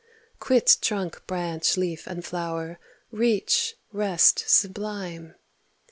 23 Quit trunk, branch, leaf and flower— reach rest sublime.